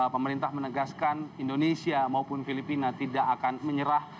pemerintah menegaskan indonesia maupun filipina tidak akan menyerah